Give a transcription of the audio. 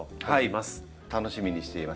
楽しみにしています。